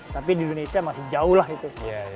tapi di indonesia masih jauh lah itu